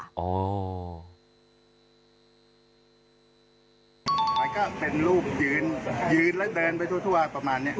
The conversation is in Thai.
หมายความรู้สึกเป็นรูปยืนแล้วเดินไปทั่วประมาณนี้